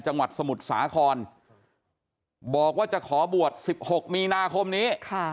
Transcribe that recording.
จังหวัดสมุทรสาครบอกว่าจะขอบวช๑๖มีนาคมนี้